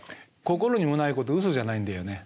心にもないことウソじゃないんだよね。